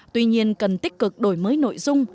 tuy nhiên cần tích cực đổi mới nội dung